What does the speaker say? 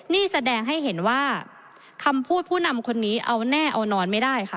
นี่แสดงให้เห็นว่าคำพูดผู้นำคนนี้เอาแน่เอานอนไม่ได้ค่ะ